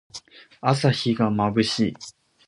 朝日がまぶしい。